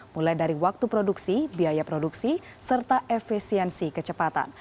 mulai dari waktu produksi biaya produksi serta efisiensi kecepatan